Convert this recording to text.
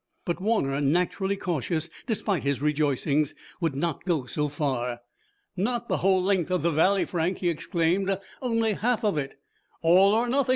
But Warner, naturally cautious, despite his rejoicings, would not go so far. "Not the whole length of the valley, Frank!" he exclaimed. "Only half of it!" "All or nothing!"